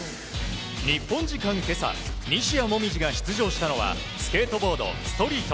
日本時間今朝西矢椛が出場したのはスケートボード・ストリート。